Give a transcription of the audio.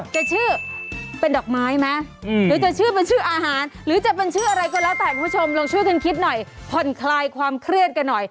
ชื่อเป็นดอกไม้ไหมหรือจะชื่อเป็นชื่ออาหารหรือจะเป็นชื่ออะไรก็แล้วแต่คุณผู้ชมลองช่วยกันคิดหน่อยผ่อนคลายความเครียดกันหน่อย